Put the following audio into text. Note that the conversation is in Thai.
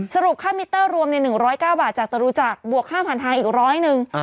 สรุปค่ามิเตอร์รวมใน๑๐๙บาทจากตระรูจักบวกค่าผ่านทางอีก๑๐๐นึง